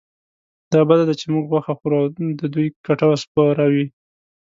دا بده ده چې موږ غوښه خورو او د دوی کټوه سپوره وي.